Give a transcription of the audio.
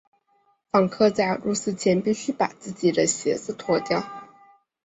访客在入寺前必须把自己的鞋子脱掉。